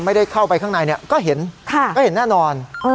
ไม่ได้เข้าไปข้างในก็เห็นก็เห็นแน่นอน